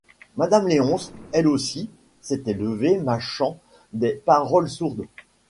Madame Léonce, elle aussi, s’était levée, mâchant des paroles sourdes.